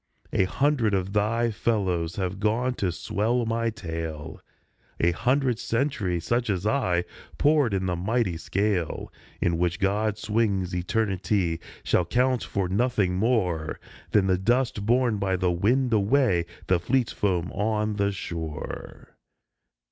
" A hundred of thy fellows have gone to swell my tale ; A hundred centuries such as I, poured in the mighty scale In which God swings eternity, shall count for nothing more Than the dust borne by the wind away, the fleet foam on the shore.